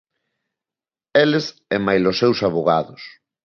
Eles e máis os seus avogados.